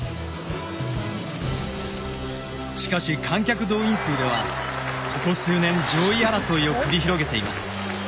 しかし観客動員数ではここ数年上位争いを繰り広げています。